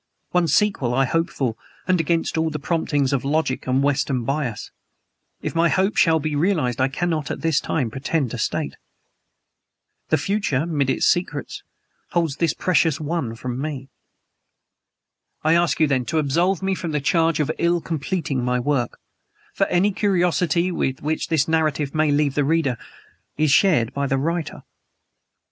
One sequel I hope for, and against all the promptings of logic and Western bias. If my hope shall be realized I cannot, at this time, pretend to state. The future, 'mid its many secrets, holds this precious one from me. I ask you then, to absolve me from the charge of ill completing my work; for any curiosity with which this narrative may leave the reader burdened is shared by the writer.